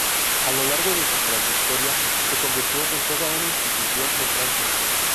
A lo largo de su trayectoria se convirtió en toda una institución en Francia.